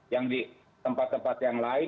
yang di tempat tempat yang lain